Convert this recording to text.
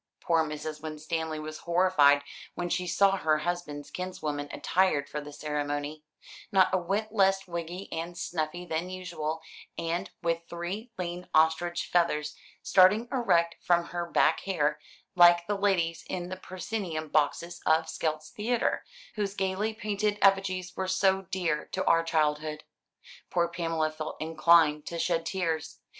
Poor Mrs. Winstanley was horrified when she saw her husband's kinswoman attired for the ceremony, not a whit less wiggy and snuffy than usual, and with three lean ostrich feathers starting erect from her back hair, like the ladies in the proscenium boxes of Skelt's Theatre, whose gaily painted effigies were so dear to our childhood. Poor Pamela felt inclined to shed tears.